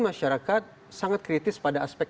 masyarakat sangat kritis pada aspek